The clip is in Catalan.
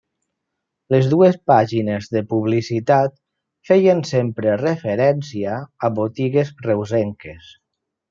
Les dues pàgines de publicitat feien sempre referència a botigues reusenques.